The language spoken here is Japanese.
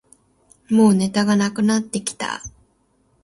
もうネタがなくなってきた